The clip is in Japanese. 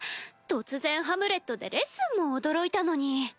突然「ハムレット」でレッスンも驚いたのに。